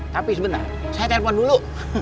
tapi sebentar saya telepon dulu